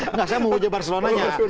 enggak saya memuji barcelonanya